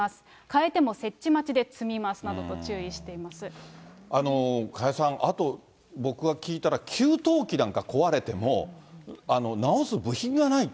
買えても設置待ちで詰みますなど加谷さん、あと僕が聞いたら、給湯器なんか壊れても、直す部品がない。